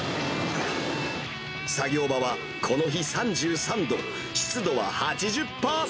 作業場は、この日３３度、湿度は８０％。